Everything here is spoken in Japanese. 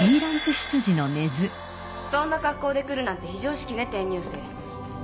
そんな格好で来るなんて非常識ね転入生。